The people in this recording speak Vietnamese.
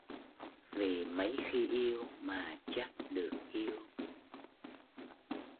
Vì mấy khi yêu mà chắc được yêu